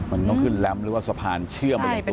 มันต้องขึ้นรัมหรือว่าสะพานเชื่อมกับตัวเรือ